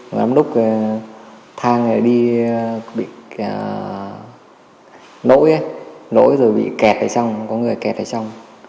lắm lúc thang là đi bị nỗi ấy nỗi rồi bị kẹt ở trong có người kẹt ở trong